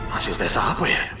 hasil tes apa ya